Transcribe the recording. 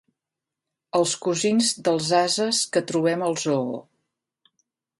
Els cosins dels ases que trobem al zoo.